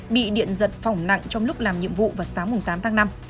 bị điện giật phỏng nặng trong lúc làm nhiệm vụ vào sáng tám tháng năm